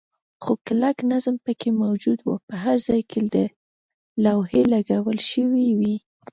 خو کلک نظم پکې موجود و، په هر ځای کې لوحې لګول شوې وې.